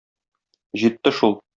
Җитте шул.